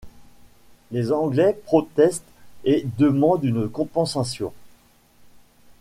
Les Anglais protestent et demandent une compensation.